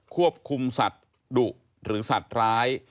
ควบคุมสัตว์ดุหรือสัตว์ร้าย